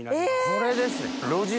これですね。